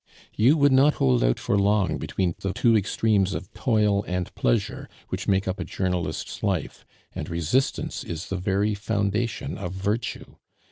"You would not hold out for long between the two extremes of toil and pleasure which make up a journalist's life, and resistance is the very foundation of virtue.